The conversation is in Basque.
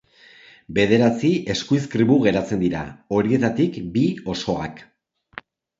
Bederatzi eskuizkribu geratzen dira, horietatik bi osoak.